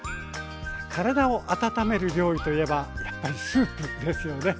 体を温める料理といえばやっぱりスープですよね。